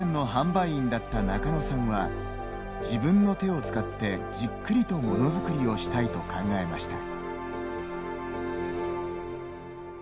百貨店の販売員だった中野さんは自分の手を使って、じっくりとものづくりをしたいと考えました。